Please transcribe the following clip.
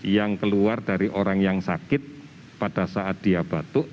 yang keluar dari orang yang sakit pada saat dia batuk